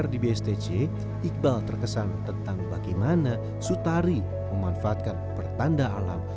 di bstc iqbal terkesan tentang bagaimana sutari memanfaatkan pertanda alam